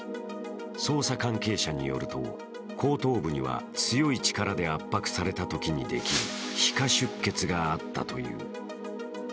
捜査関係者によると後頭部には強い力で圧迫されたときにできる皮下出血があったという。